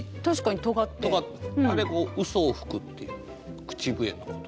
あれうそを吹くっていう口笛のこと。